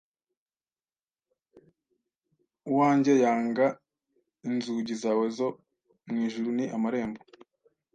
uwanjye yangaInzugi zawe zo mu ijuru ni amarembo